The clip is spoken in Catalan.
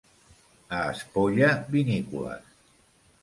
A Espolla, vinícoles.